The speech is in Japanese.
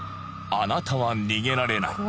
「あなたは逃げられない」